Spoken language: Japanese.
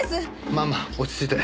まあまあ落ち着いて。